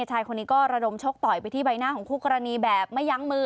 ชายคนนี้ก็ระดมชกต่อยไปที่ใบหน้าของคู่กรณีแบบไม่ยั้งมือ